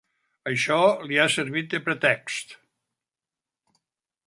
Això li ha servit de pretext.